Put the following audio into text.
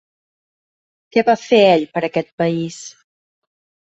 Què va fer ell per a aquest país?